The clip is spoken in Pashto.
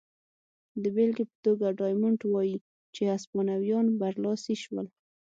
د بېلګې په توګه ډایمونډ وايي چې هسپانویان برلاسي شول.